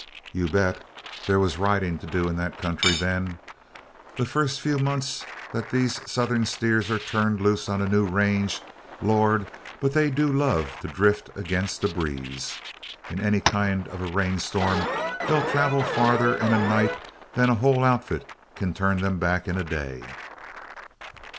You bet, there was riding to do in that country then. The first few months that these Southern steers are turned loose on a new range, Lord! but they do love to drift against a breeze. In any kind of a rain storm, they'll travel farther in a night than a whole outfit can turn them back in a day.